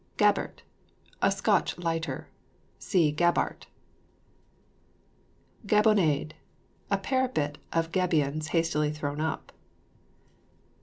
GABERT. A Scotch lighter. (See GABART.) GABIONADE. A parapet of gabions hastily thrown up.